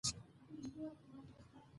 سیاسي بدلون د ولس غوښتنه ده